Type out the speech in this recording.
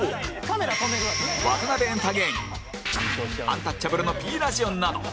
アンタッチャブルの Ｐ ラジオなど